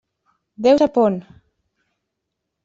Déu sap on!